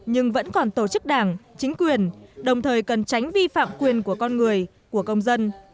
nhưng vẫn còn tổ chức đảng chính quyền đồng thời cần tránh vi phạm quyền của con người của công dân